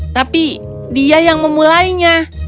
tapi dia yang memulainya